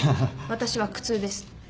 私は苦痛です。